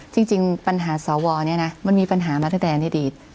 จริงปัญหาสาววอลเนี่ยนะมันมีปัญหามาตรฐานอดีต